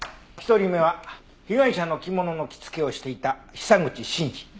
１人目は被害者の着物の着付けをしていた久口慎二。